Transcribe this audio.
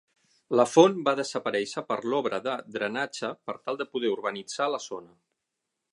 La font va desaparèixer per l'obra de drenatge per tal de poder urbanitzar la zona.